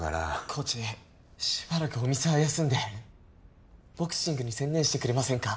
コーチしばらくお店は休んでボクシングに専念してくれませんか？